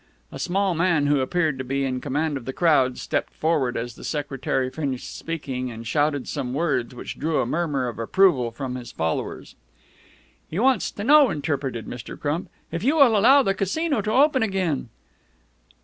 A small man, who appeared to be in command of the crowd, stepped forward as the secretary finished speaking, and shouted some words which drew a murmur of approval from his followers. "He wants to know," interpreted Mr. Crump, "if you will allow the Casino to open again."